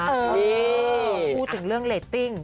เออพูดถึงเรื่องเรตติ้ง